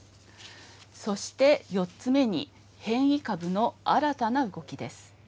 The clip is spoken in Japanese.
そして４つ目に変異株の新たな動きです。